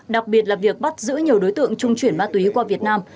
đặc biệt là việc bắt giữ nhiều đối tượng trung chuyển ma túy qua việt nam